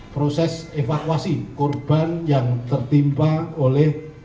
proses evakuasi korban yang tertimpa oleh